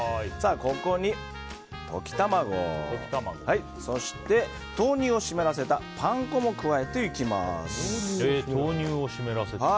ここに溶き卵そして豆乳を湿らせたパン粉を加えていきます。